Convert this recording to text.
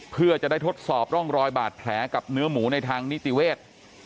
เพื่อจะได้ทดสอบร่องรอยบาดแผลกับเนื้อหมูในทางนิติเวศ